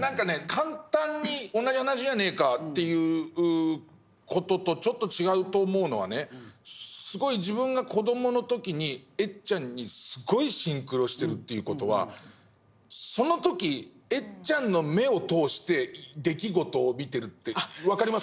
簡単に同じ話じゃねえかっていう事とちょっと違うと思うのはねすごい自分が子どもの時にエッちゃんにすごいシンクロしてるっていう事はその時エッちゃんの目を通して出来事を見てるって分かります？